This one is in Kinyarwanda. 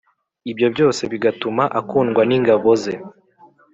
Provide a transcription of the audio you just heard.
ibyo byose bigatuma akundwa n ingabo ze